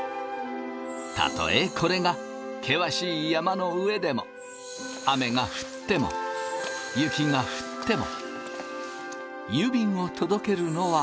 たとえこれが険しい山の上でも雨が降っても雪が降っても。